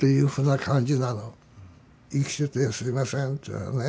「生きててすいません」っていうなね。